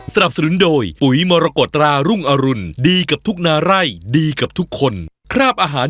สนับสนุนโดยปุ๋ยมรกฎรารุ่งอรุณดีกับทุกนาไร่ดีกับทุกคนคราบอาหาร